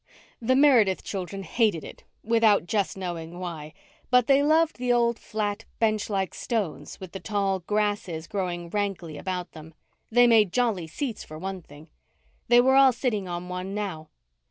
The Meredith children hated it, without just knowing why, but they loved the old, flat, bench like stones with the tall grasses growing rankly about them. They made jolly seats for one thing. They were all sitting on one now.